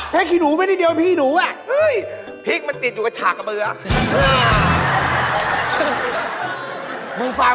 ไม่ใช่มันไม่เกี่ยวกับฟัน